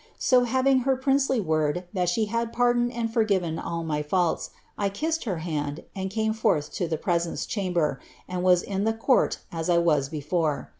So having her princely word thai she had pardoned and fore all futdis, I kissed her hand, and came forth to ilic presence ichan and was in the court as I was before.